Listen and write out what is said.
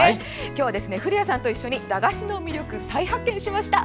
今日は古谷さんと一緒に駄菓子の魅力、再発見しました。